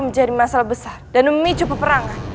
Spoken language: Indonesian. menjadi masalah besar dan memicu peperangan